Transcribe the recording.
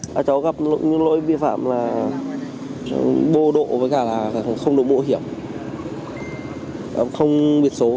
gặp những lỗi vi phạm là bô độ với cả là không được bộ hiểm không biết số